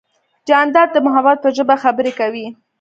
جانداد د محبت په ژبه خبرې کوي.